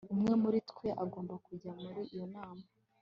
Umwe muri twe agomba kujya muri iyo nama